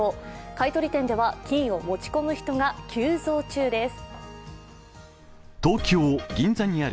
買い取り店では金を持ち込む人が急増中です。